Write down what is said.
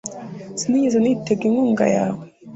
Sinigeze nitega inkunga yawe